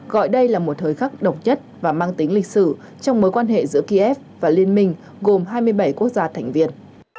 gọi đây là một thời khắc độc nhất và mang tính lịch sử trong mối quan hệ giữa kiev và liên minh gồm hai mươi bảy quốc gia thành viên